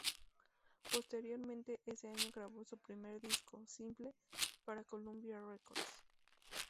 Posteriormente ese año grabó su primer disco simple para Columbia Records.